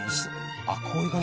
あっこういう感じ。